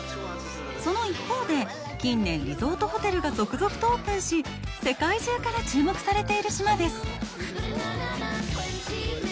その一方で、近年リゾートホテルが続々とオープンし、世界中から注目されている島です。